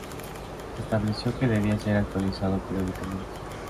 Se estableció que debía ser actualizado periódicamente.